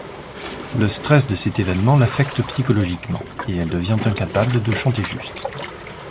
Le stress de cet évènement l'affecte psychologiquement et elle devient incapable de chanter juste.